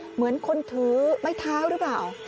เหมือนคนถือไม้เท้าหรือเปล่า